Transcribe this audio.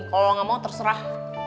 kalau lo gak mau terserah